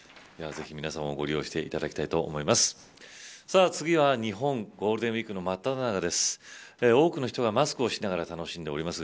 ぜひ、皆さんもご利用していただきたいと思います。